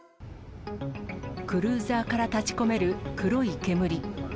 クルーザーから立ちこめる黒い煙。